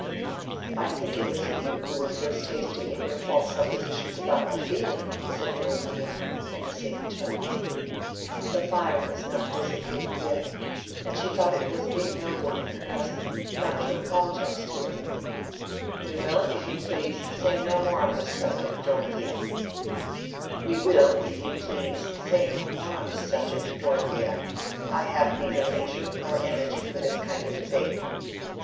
"I think it was you who were first hasty in your false suppositions about my feeling," said Dorothea, in the same tone. The fire was not dissipated yet, and she thought it was ignoble in her husband not to apologize to her. "We will, if you please, say no more on this subject, Dorothea. I have neither leisure nor energy for this kind of debate."